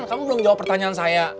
kamu belum jawab pertanyaan saya